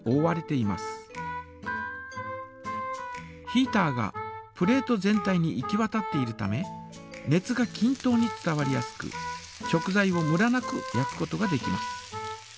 ヒータがプレート全体に行きわたっているため熱がきん等に伝わりやすく食材をムラなく焼くことができます。